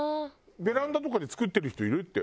ベランダとかで作ってる人いるってよ。